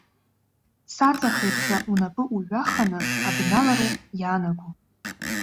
Саҵахеит ҳәа, унапы уҩаханы, абналароуп иаанаго.